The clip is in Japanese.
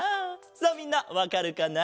さあみんなわかるかな？